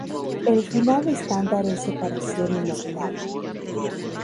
El final estándar es "separación inmortal".